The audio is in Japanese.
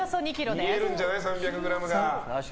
見えるんじゃない、３００ｇが。